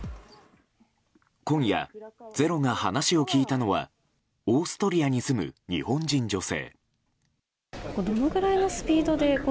今夜「ｚｅｒｏ」が話を聞いたのはオーストリアに住む日本人女性。